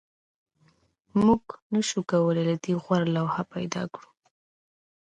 موږ نشوای کولی له دې غوره لوحه پیدا کړو